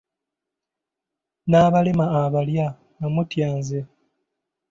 "N'abalema abalya, namutya nze!"